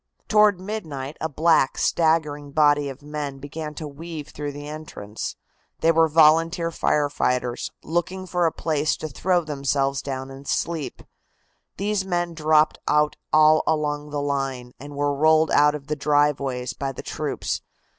Toward midnight a black, staggering body of men began to weave through the entrance. They were volunteer fire fighters, looking for a place to throw themselves down and sleep. These men dropped out all along the line, and were rolled out of the driveways by the troops.